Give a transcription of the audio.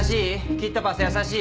キットパスやさしい？